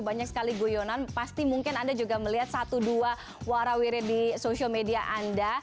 banyak sekali guyonan pasti mungkin anda juga melihat satu dua warawiri di social media anda